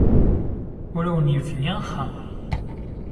Ur awen-yebni ara axxam.